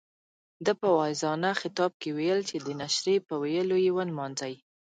ده په واعظانه خطاب کې ویل چې د نشرې په ويلو یې ونمانځئ.